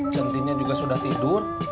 centinnya juga sudah tidur